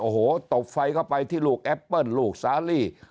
โอ้โหตบไฟเข้าไปที่ลูกแอปเปิ้ลลูกซาลี